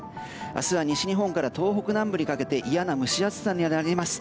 明日は西日本から東北南部にかけて嫌な蒸し暑さになります。